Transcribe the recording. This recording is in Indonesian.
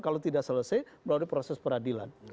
kalau tidak selesai melalui proses peradilan